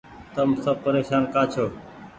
تم سب پريشان ڪآ ڇو۔